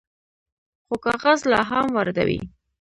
خو کاغذ لا هم واردوي.